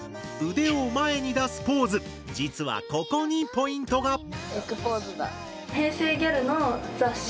腕を前に出すポーズ実はここにポイントが！